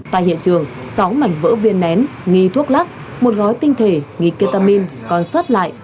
tại hiện trường sáu mảnh vỡ viên nén nghi thuốc lắc một gói tinh thể nghi ketamin còn sót lại